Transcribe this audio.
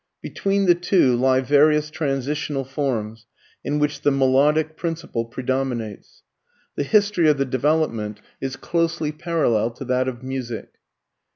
Between the two lie various transitional forms, in which the melodic principle predominates. The history of the development is closely parallel to that of music.